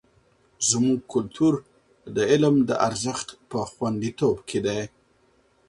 زموږ کلتور د علم د ارزښت په خوندیتوب کې دی.